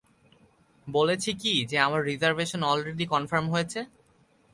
বলেছি কি যে আমার রিজার্ভেশন অলরেডি কনফার্ম হয়েছে?